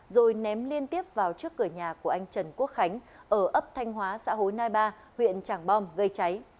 rồi ném liên tiếp vào trước cửa nhà của anh trần quốc khánh ở ấp thanh hóa xã hối nai ba huyện trảng bom gây cháy